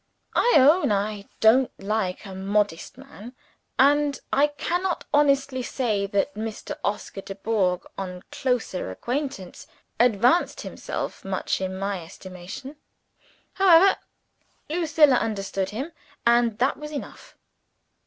I own I don't like a modest man; and I cannot honestly say that Mr. Oscar Dubourg, on closer acquaintance, advanced himself much in my estimation. However, Lucilla understood him, and that was enough.